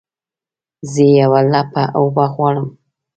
زه یوه لپه اوبه غواړمه